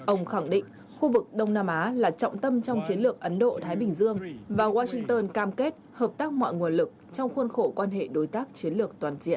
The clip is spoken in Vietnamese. ông khẳng định khu vực đông nam á là trọng tâm trong chiến lược ấn độ thái bình dương và washington cam kết hợp tác mọi nguồn lực trong khuôn khổ quan hệ đối tác chiến lược toàn diện